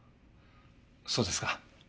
そうですか。